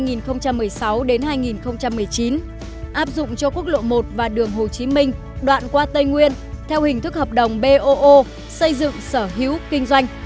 giai đoạn hai kéo dài từ năm hai nghìn một mươi sáu đến năm hai nghìn một mươi chín áp dụng cho quốc lộ một và đường hồ chí minh đoạn qua tây nguyên theo hình thức hợp đồng boo xây dựng sở hữu kinh doanh